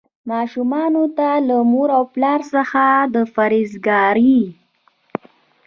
ماشومانو ته له مور او پلار څخه د پرهیزګارۍ.